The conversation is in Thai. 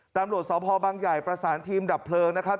ตำรวจสพบังใหญ่ประสานทีมดับเพลิงนะครับ